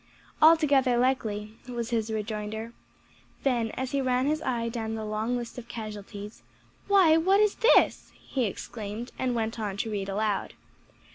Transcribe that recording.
"Altogether likely," was his rejoinder. Then as he ran his eye down the long list of casualties, "Why, what is this?" he exclaimed, and went on to read aloud.